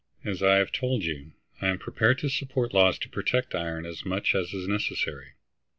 As I have told you, I am prepared to support laws to protect iron as much as is necessary.